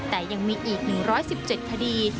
แต่ยังมีอีก๑๑๗คดี